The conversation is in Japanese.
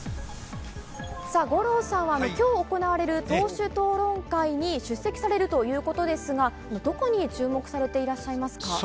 五郎さんは今日行われる党首討論会に出席されるということですが、どこに注目されていらっしゃいますか？